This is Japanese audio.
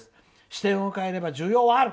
視点を変えれば需要はある。